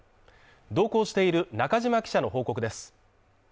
同行している中島記者の報告です。